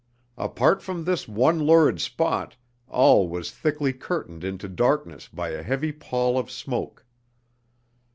Apart from this one lurid spot all was thickly curtained into darkness by a heavy pall of smoke.